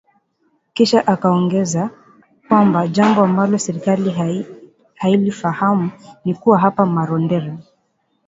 Kisha akaongeza kwamba jambo ambalo serikali hailifahamu ni kuwa hapa Marondera